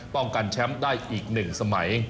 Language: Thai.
ป้องกันแชมป์ได้อีก๑สมัย